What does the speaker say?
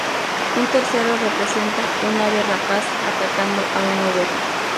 Un tercero representa un ave rapaz atacando a una oveja.